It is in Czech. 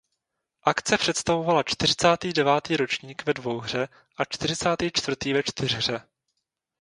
Akce představovala čtyřicátý devátý ročník ve dvouhře a čtyřicátý čtvrtý ve čtyřhře.